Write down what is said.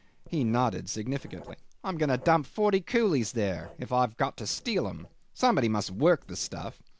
He nodded significantly. "I'm going to dump forty coolies there if I've to steal 'em. Somebody must work the stuff.